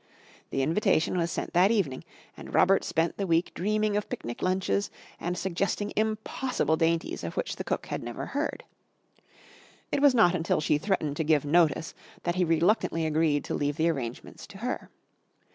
The invitation was sent that evening and Robert spent the week dreaming of picnic lunches and suggesting impossible dainties of which the cook had never heard. It was not until she threatened to give notice that he reluctantly agreed to leave the arrangements to her.